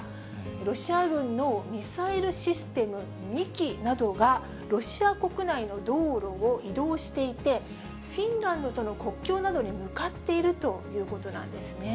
ロシア軍のミサイルシステム２基などがロシア国内の道路を移動していて、フィンランドとの国境に向かっているということなんですね。